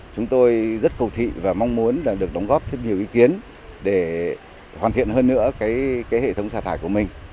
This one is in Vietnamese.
chúng tôi rất cầu thị và mong muốn là được đóng góp thêm nhiều ý kiến để hoàn thiện hơn nữa cái hệ thống xả thải của mình